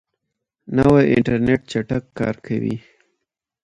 نوی انټرنیټ چټک کار کوي